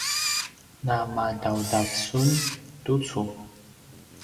namadaudav sun tucu?